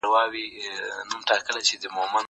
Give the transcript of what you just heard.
هغه وويل چي د کتابتون کتابونه لوستل کول مهم دي!؟